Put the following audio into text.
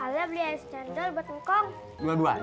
alia beli es cendol buat ngkong